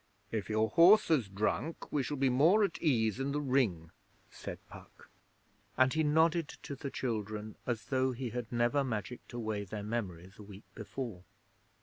'If your horse has drunk, we shall be more at ease in the Ring,' said Puck; and he nodded to the children as though he had never magicked away their memories a week before.